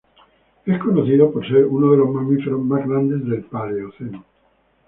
Es conocido por ser uno de los mamíferos más grandes del Paleoceno.